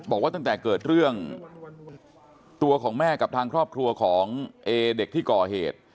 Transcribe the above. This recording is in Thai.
บอกว่าตั้งแต่เกิดเรื่องตัวของแม่กับทางครอบครัวของเอเด็กที่ก่อเหตุ